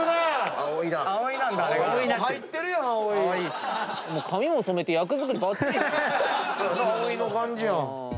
蒼生の感じやん。